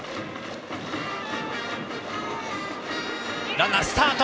ランナー、スタート。